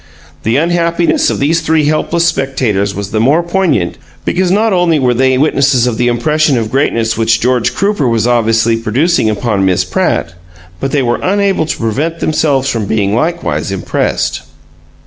The unhappiness of these three helpless spectators was the more poignant because not only were they witnesses of the impression of greatness which George Crooper was obviously producing upon Miss Pratt, but they were unable to prevent themselves from being likewise impressed.